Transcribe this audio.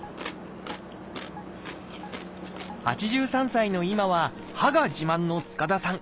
８３歳の今は歯が自慢の塚田さん。